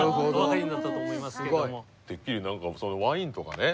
てっきり何かワインとかね